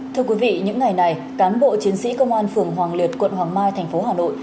thưa quý vị những ngày này cán bộ chiến sĩ công an phường hoàng liệt quận hoàng mai thành phố hà nội